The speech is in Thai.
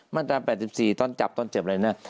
มาตรา๘๔ตอนจับตอนเจ็บอะไรเนี่ย